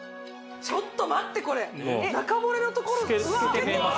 ちょっと待ってこれ中骨のところがスケ透けてます